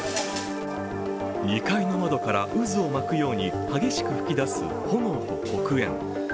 ２階の窓から渦を巻くように激しく噴き出す炎と黒煙。